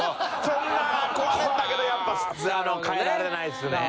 そんな壊れんだけどやっぱ替えられないんすね。